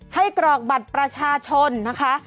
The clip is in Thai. กรอกบัตรประชาชนนะคะ